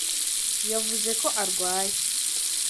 Yavuze ko arwaye.